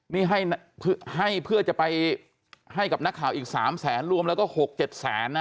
นี่ให้เพื่อจะไปให้กับนักข่าวอีก๓แสนรวมแล้วก็๖๗แสนนะ